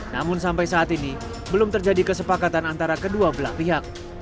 namun sampai saat ini belum terjadi kesepakatan antara kedua belah pihak